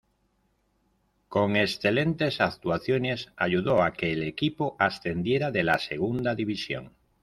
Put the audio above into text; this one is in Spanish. Con excelentes actuaciones ayudó a que el equipo ascendiera de la Segunda División.